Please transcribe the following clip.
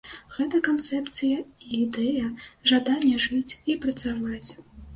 Гэта канцэпцыя і ідэя, жаданне жыць і працаваць.